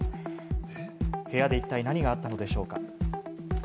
部屋でいったい何があったのでしょうか？